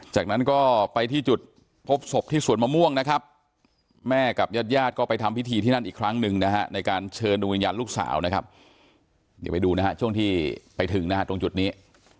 จากนั้นก็ไปที่จุดพบศพที่สวนมะม่วงนะครับแม่กับญาติญาติก็ไปทำพิธีที่นั่นอีกครั้งหนึ่งนะฮะในการเชิญดวงวิญญาณลูกสาวนะครับเดี๋ยวไปดูนะฮะช่วงที่ไปถึงนะฮะตรงจุดนี้